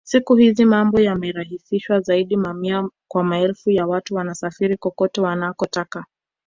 Siku hizi mambo yamerahisishwa zaidi mamia kwa maelfu ya watu wanasafiri kokote wanakotaka